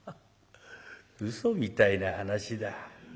うそみたいな話だ。